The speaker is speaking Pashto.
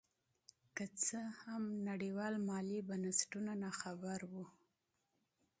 که څه هم نړیوال مالي بنسټونه نا خبره وو.